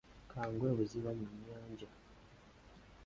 Kangwe ebuziba mu nyanja.